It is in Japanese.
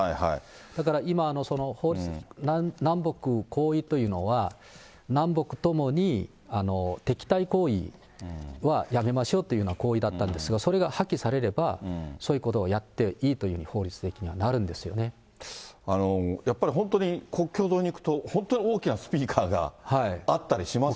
だから今、南北合意というのは南北ともに敵対行為はやめましょうというような合意だったんですが、それが破棄されればそういうことをやっていいというふうに法律的やっぱり本当に国境沿いに行くと、本当に大きなスピーカーがあったりしますもんね。